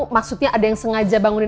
maksudnya ada yang sengaja bangunin